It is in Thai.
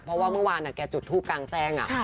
เพราะว่าเมื่อวานอ่ะแกจุดทุกข์กางแจ้งอ่ะ